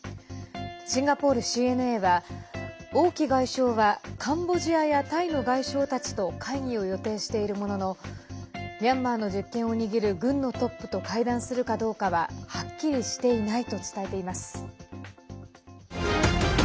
シンガポールＣＮＡは王毅外相はカンボジアやタイの外相たちと会議を予定しているもののミャンマーの実権を握る軍のトップと会談するかどうかははっきりしていないと伝えています。